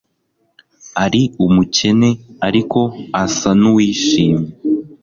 Ari umukene ariko asa nuwishimye